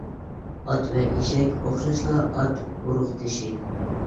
ئات ۋە ئېشەك ئوخشاشلا ئات ئۇرۇقدىشى.